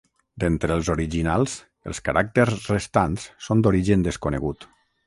D'entre els originals, els caràcters restants són d'origen desconegut.